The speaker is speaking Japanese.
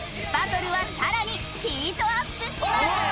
バトルはさらにヒートアップします！